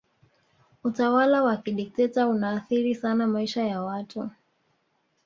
utawala wa kidikiteta unaathiri sana maisha ya watu